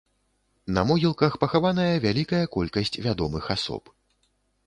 На могілках пахаваная вялікая колькасць вядомых асоб.